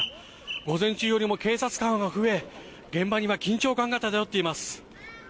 午前中よりも警察官が増え現場には緊張感が漂っています。